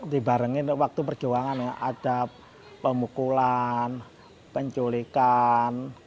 dibarengin waktu perjuangan ada pemukulan penculikan